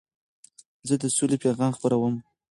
زه د سولي پیغام خپروم.